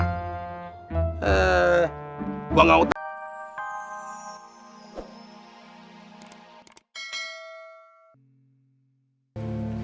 eh gue gak utang